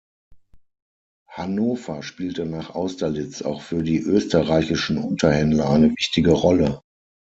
Hannover spielte nach Austerlitz auch für die österreichischen Unterhändler eine wichtige Rolle.